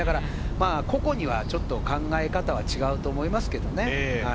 個々に考え方は違うと思いますけどね。